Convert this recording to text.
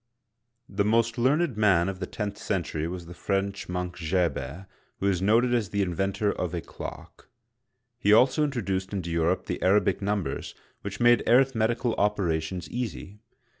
The most learned man of the tenth century was the French monk Gerbert (zh^r bir'), who is noted as the in ventor of a clock. He also introduced into Europe the Arabic numbers, which made arithmetical operations easy.